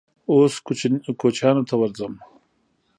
_اوس کوچيانو ته ورځم.